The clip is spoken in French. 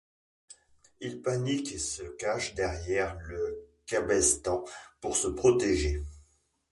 Il panique et se cache derrière le cabestan pour se protéger.